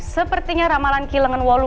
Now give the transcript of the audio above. sepertinya ramalan kilangan walu